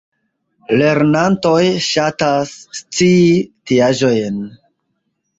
Lernantoj ŝatas scii tiaĵojn!